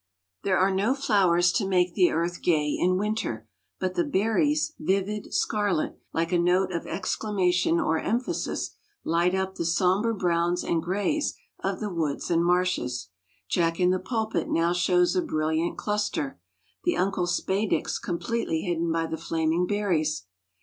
There are no flowers to make the earth gay in winter, but the berries, vivid, scarlet, like a note of exclamation or emphasis, light up the somber browns and grays of the woods and marshes. Jack in the pulpit now shows a brilliant cluster, the Uncle Spadix completely hidden by the flaming berries.